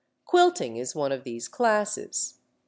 Quilting is one of these classes.